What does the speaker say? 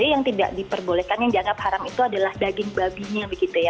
yang tidak diperbolehkan yang dianggap haram itu adalah daging babinya begitu ya